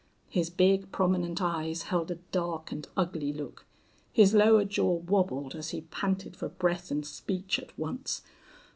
His big, prominent eyes held a dark and ugly look. His lower jaw wabbled as he panted for breath and speech at once.